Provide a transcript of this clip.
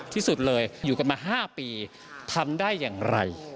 ที่สุดเลยอยู่กันมา๕ปีทำได้อย่างไร